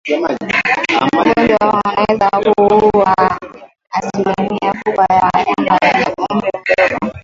Ugonjwa huu unaweza kuua asilimia kubwa ya wanyama wenye umri mdogo